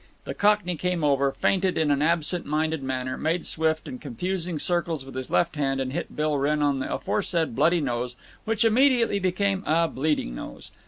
The Cockney came over, feinted in an absent minded manner, made swift and confusing circles with his left hand, and hit Bill Wrenn on the aforesaid bloody nose, which immediately became a bleeding nose.